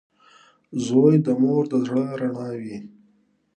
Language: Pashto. • زوی د مور د زړۀ رڼا وي.